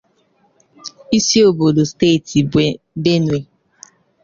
isiobodo steeti Benue